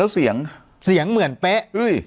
แล้วเสียงเสียงเหมือนเป๊ะ